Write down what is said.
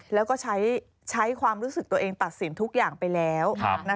แล้วก็ใช้ความรู้สึกตัวเองตัดสินทุกอย่างไปแล้ว